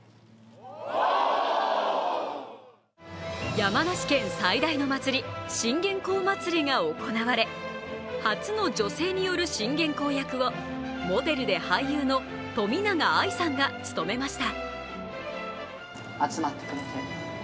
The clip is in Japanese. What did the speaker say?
山梨県最大の祭り、信玄公祭りが行われ、初の女性による信玄公役をモデルで俳優の冨永愛さんが務めました。